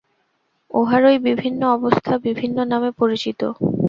উহারই বিভিন্ন অবস্থা বিভিন্ন নামে পরিচিত।